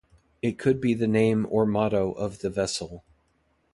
It could be the name or motto of the vessel.